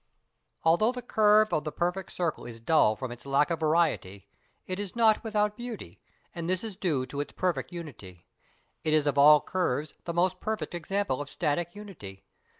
Although the curve of the perfect circle is dull from its lack of variety, it is not without beauty, and this is due to its perfect unity. It is of all curves the most perfect example of static unity.